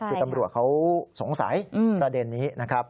คือตำรวจเขาสงสัยประเด็นนี้นะครับ